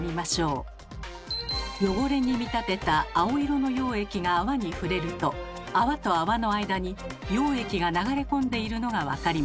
汚れに見立てた青色の溶液が泡に触れると泡と泡の間に溶液が流れ込んでいるのが分かります。